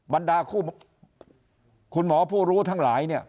บรรดาคุณหมอผู้รู้ทั้งหลายเนี่ย